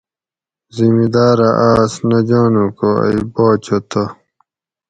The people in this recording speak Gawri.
زمیداۤرہ آۤس نہ جانو کو ائ باچہ تہ